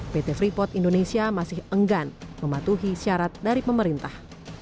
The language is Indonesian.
pt freeport indonesia masih enggan mematuhi syarat dari pemerintah